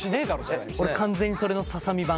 俺完全にそれのささ身版。